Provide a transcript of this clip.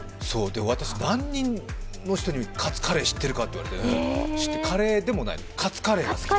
私、何人の人に「カツカレー、知ってるか？」と聞かれてカレーでもないカツカレー。